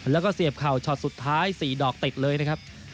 แล้วก็เสียบเข่าช็อตสุดท้าย๔ดอกติดเลยนะครับ